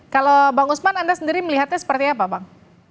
kalau bang usman anda sendiri melihatnya seperti apa bang